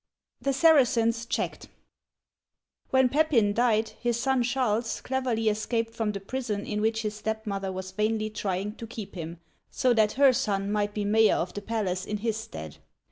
THE SARACENS CHECKED WHEN Pepin died, his son Charles cleverly escaped from the prison in which his stepmother was vainly trying to keep him so that her son might be mayor of the palace in his stead.